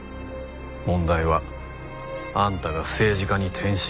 問題はあんたが政治家に転身したあとだ。